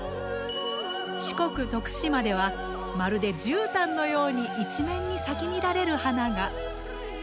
四国・徳島ではまるでじゅうたんのように一面に咲き乱れる花が。